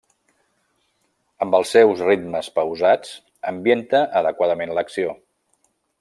Amb els seus ritmes pausats, ambienta adequadament l'acció.